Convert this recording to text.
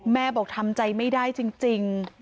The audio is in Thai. แม่บอกทำใจไม่ได้จริง